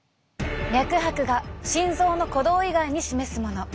脈拍が心臓の鼓動以外に示すもの。